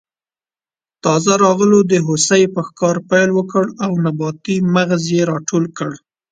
تازه راغلو د هوسۍ په ښکار پیل وکړ او نباتي مغز یې راټول کړل.